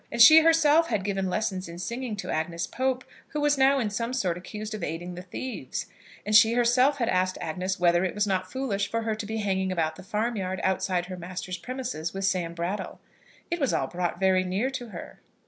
And she herself had given lessons in singing to Agnes Pope, who was now in some sort accused of aiding the thieves. And she herself had asked Agnes whether it was not foolish for her to be hanging about the farmyard, outside her master's premises, with Sam Brattle. It was all brought very near to her!